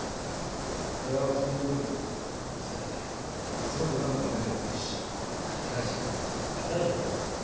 俺が落ち込んでる時にいつだってすごくうまく盛り上げてくれるしあったかいし会いたいよ。